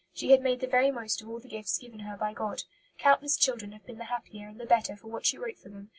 She had made the very most of all the gifts given her by God. Countless children have been the happier and the better for what she wrote for them.